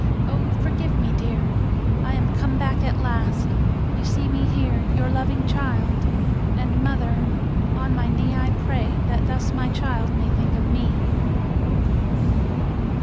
Oh, forgive me, dear! I am come back at last you see me here, Your loving child. ... And, mother, on my knee I pray that thus my child may think of me!